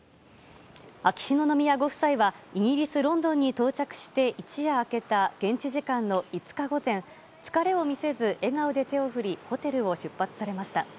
秋篠宮ご夫妻はイギリス・ロンドンに到着して一夜明けた現地時間の５日午前疲れを見せず笑顔で手を振りホテルを出発されました。